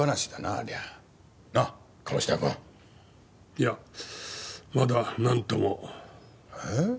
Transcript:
いやまだなんとも。え？